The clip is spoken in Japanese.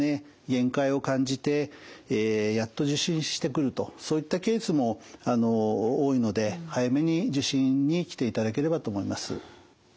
限界を感じてやっと受診してくるとそういったケースも多いので早めに受診に来ていただければと思います。